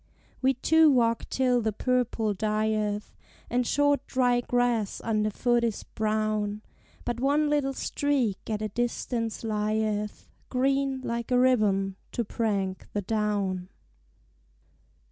We two walk till the purple dieth, And short dry grass under foot is brown, But one little streak at a distance lieth Green, like a ribbon, to prank the down.